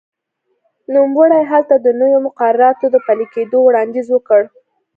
نوموړي هلته د نویو مقرراتو د پلي کېدو وړاندیز وکړ.